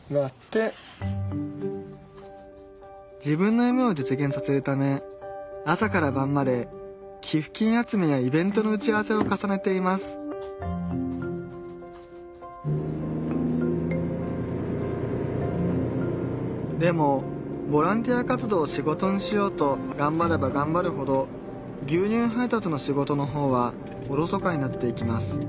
自分の夢を実現させるため朝から晩まで寄付金集めやイベントの打ち合わせを重ねていますでもボランティア活動を仕事にしようとがんばればがんばるほど牛乳配達の仕事の方はおろそかになっていきます